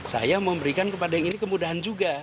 saya memberikan kepada yang ini kemudahan juga